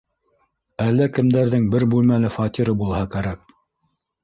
Әллә кемдәрҙең бер бүлмәле фатиры булһа кәрәк